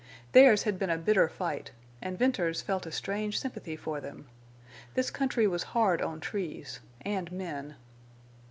Theirs had been a bitter fight, and Venters felt a strange sympathy for them. This country was hard on trees—and men.